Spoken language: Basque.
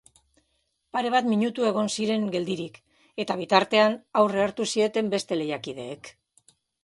Pare bat minutu egon ziren geldirik eta bitartean aurre hartu zieten beste lehiakideek.